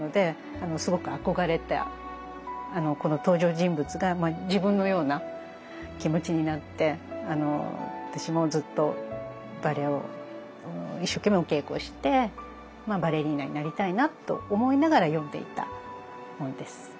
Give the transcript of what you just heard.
この登場人物が自分のような気持ちになって私もずっとバレエを一生懸命お稽古してバレリーナになりたいなと思いながら読んでいた本です。